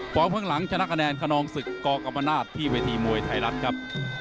ข้างหลังชนะคะแนนขนองศึกกกรรมนาศที่เวทีมวยไทยรัฐครับ